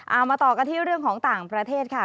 เอามาต่อกันที่เรื่องของต่างประเทศค่ะ